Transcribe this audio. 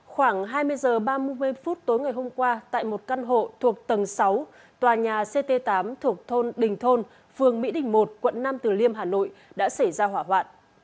khoảng hai mươi h ba mươi phút tối ngày hôm qua tại một căn hộ thuộc tầng sáu tòa nhà ct tám thuộc thôn đình thôn phường mỹ đình một quận năm từ liêm hà nội đã xảy ra hỏa hoạn